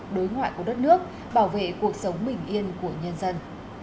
đối ngoại của đất nước bảo vệ cuộc sống bình yên của nhân dân